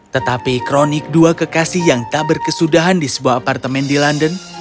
tetapi kronik dua kekasih yang tak berkesudahan di sebuah apartemen di london